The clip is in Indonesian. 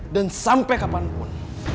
dan sampai kapanpun